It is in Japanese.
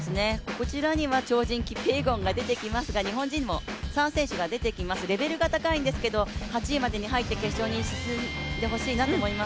こちらには超人キピエゴンが出てきますが、日本人も３選手が出てきます、レベルが高いんですけれども、８位までに入って決勝に進んでほしいなと思います。